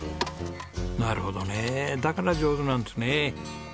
なるほどねえだから上手なんですね。